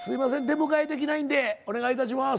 出迎えできないんでお願いいたします。